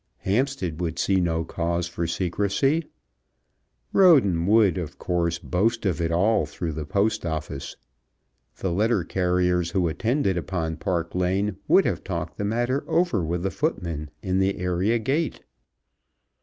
Hampstead would see no cause for secrecy. Roden would, of course, boast of it all through the Post Office. The letter carriers who attended upon Park Lane would have talked the matter over with the footmen at the area gate.